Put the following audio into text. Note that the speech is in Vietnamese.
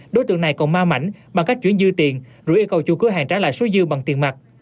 đối tượng này còn ma mảnh bằng cách chuyển dư tiền rồi yêu cầu chủ cửa hàng trả lại số dư bằng tiền mặt